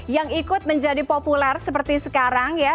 yang ikut menjadi populer seperti sekarang ya